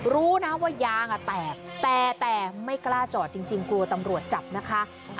รู้นะว่ายางแตกแต่ไม่กล้าจอดจริงกลัวตำรวจจับนะคะ